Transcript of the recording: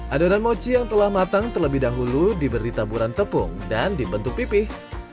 adonan mochi yang telah matang terlebih dahulu diberi taburan tepung dan dibentuk pipih